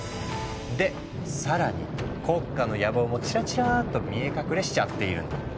で更に国家の野望もチラチラッと見え隠れしちゃっているの。